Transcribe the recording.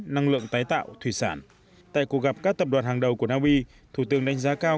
năng lượng tái tạo thủy sản tại cuộc gặp các tập đoàn hàng đầu của naui thủ tướng đánh giá cao